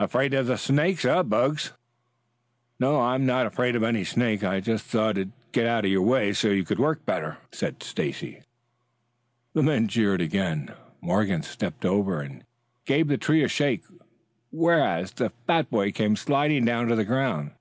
"Afraid of the snake, eh, Bugs?" "No, I'm not afraid of any snake. I just thought I'd get out of your way so you could work better." The men jeered again. Morgan stepped over and gave the tree a shake, whereat the fat boy came sliding down to the ground.